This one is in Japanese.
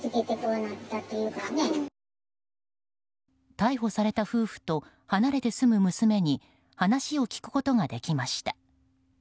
逮捕された夫婦と離れて住む娘に話を聞くことができました。